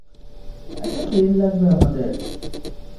একটা প্লেন লাগবে আমাদের!